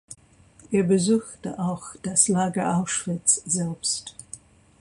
Er besuchte auch das Lager Auschwitz selbst.